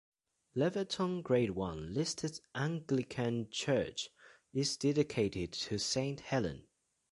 Leverton Grade One listed Anglican church is dedicated to Saint Helen.